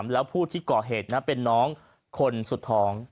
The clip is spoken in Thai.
แล้วผู้ที่ก่อเหตุเป็นน้องคนสุดท้อง